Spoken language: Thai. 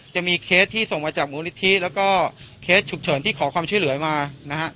เคสที่ส่งมาจากมูลนิธิแล้วก็เคสฉุกเฉินที่ขอความช่วยเหลือมานะฮะ